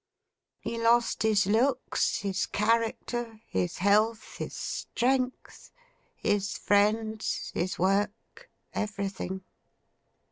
He lost his looks, his character, his health, his strength, his friends, his work: everything!